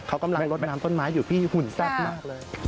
เขากำลังลดน้ำต้นไม้อยู่พี่หุ่นแซ่บมากเลย